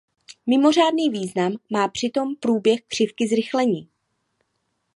Mimořádný význam má při tom průběh křivky zrychlení.